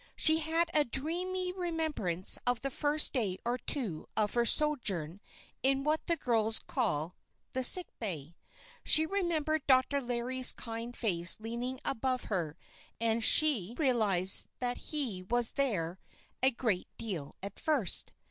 She had a dreamy remembrance of the first day or two of her sojourn in what the girls called "the sick bay." She remembered Dr. Larry's kind face leaning above her; and she realized that he was there a great deal at first.